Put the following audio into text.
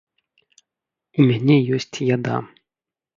У мяне ёсць яда.